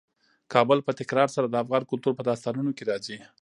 کابل په تکرار سره د افغان کلتور په داستانونو کې راځي.